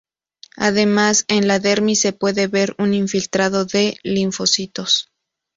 Además en la dermis se puede ver un infiltrado de linfocitos.